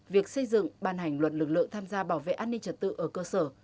việc xây dựng ban hành luật lực lượng tham gia bảo vệ an ninh trật tự ở cơ sở